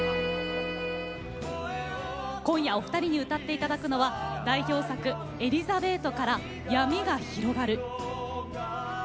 今夜お二人に歌っていただくのは代表作「エリザベート」から「闇が広がる」。